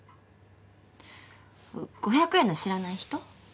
５００円の知らない人。